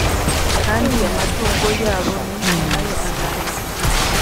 kandi amatungo yabo menshi na yo azanyagwa